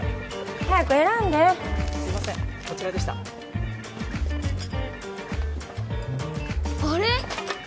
早く選んですいませんこちらでしたあれ？